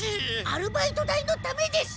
アルバイト代のためです。